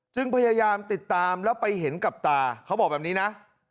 พยายามติดตามแล้วไปเห็นกับตาเขาบอกแบบนี้นะ